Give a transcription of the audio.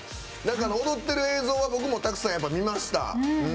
踊ってる映像は僕もたくさん見ました。